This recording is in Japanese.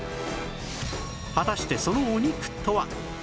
果たしてそのお肉とは？